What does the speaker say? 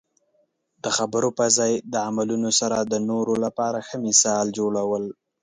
د خبرو په ځای د عملونو سره د نورو لپاره ښه مثال جوړول.